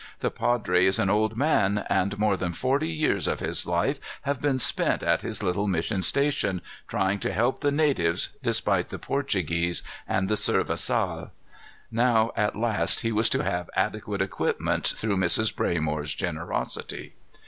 The padre is an old man, and more than forty years of his life have been spent at his little mission station, trying to help the natives despite the Portuguese and the servaçal. Now, at last, he was to have adequate equipment through Mrs. Braymore's generosity.